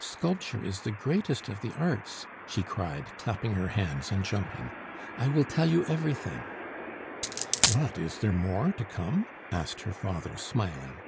Sculpture is the greatest of the Arts," she cried, clapping her hands and jumping. "I will tell you everything " "What, is there more to come?" asked her father, smiling.